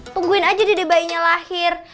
tungguin aja deh bayinya lahir